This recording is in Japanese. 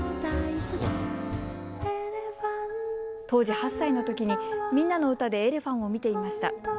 「当時８歳の時に『みんなのうた』で『エレファン』を見ていました。